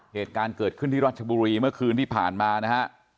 เหตุการณ์เกิดขึ้นที่ราชบุรีเมื่อคืนที่ผ่านมานะฮะ